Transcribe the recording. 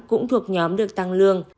cũng thuộc nhóm được tăng lương